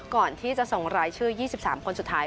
ก่อนที่จะส่งรายชื่อยี่สิบสามคนสุดท้าย